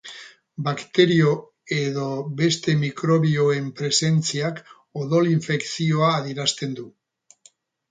Bakterio edo beste mikrobioen presentziak odol-infekzioa adierazten du.